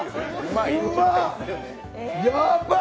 やばい！